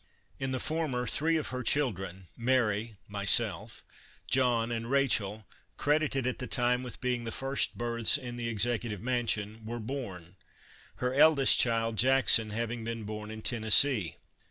In the former three of her children, Mary (myself), John and Rachel, credited at the time with being the first births in the Executive Mansion, were born, her eldest child, Jackson, having been born in Tennessee.